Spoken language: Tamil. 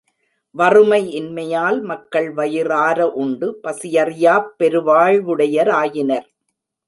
வறுமை இன்மையால், மக்கள் வயிறார உண்டு பசியறியாப் பெருவாழ்வுடையராயினர்.